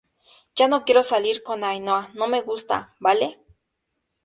yo no quiero salir con Ainhoa, no me gusta, ¿ vale?